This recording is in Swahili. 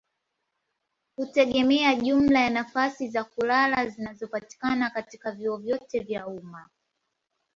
hutegemea jumla ya nafasi za kulala zinazopatikana katika vyuo vyote vya umma.